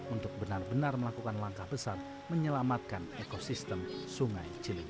untuk benar benar melakukan langkah besar menyelamatkan ekosistem sungai ciliwung